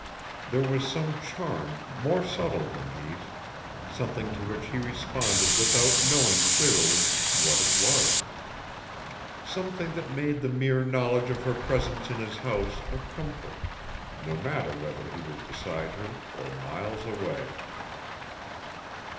There was some charm more subtle than these, something to which he responded without knowing clearly what it was, something that made the mere knowledge of her presence in his house a comfort, no matter whether he was beside her or miles away.